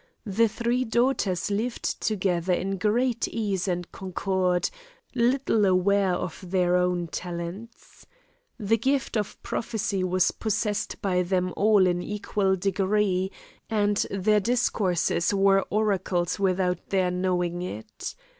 The three daughters lived together in great ease and concord, little aware of their own talents. The gift of prophecy was possessed by them all in equal degree, and their discourses were oracles without their knowing it.